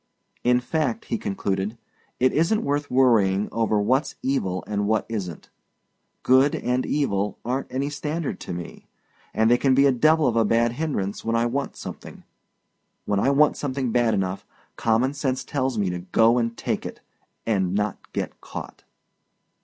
In fact he concluded it isn't worth worrying over what's evil and what isn't. Good and evil aren't any standard to me and they can be a devil of a bad hindrance when I want something. When I want something bad enough, common sense tells me to go and take it and not get caught.